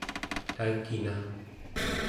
taikina